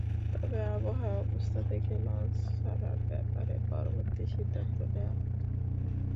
তবে আবহাওয়ার অবস্থা দেখে লঞ্চ ছাড়ার ব্যাপারে পরবর্তী সিদ্ধান্ত নেওয়া হবে।